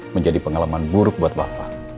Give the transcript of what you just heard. menjadi pengalaman buruk buat bapak